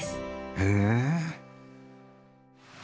へえ。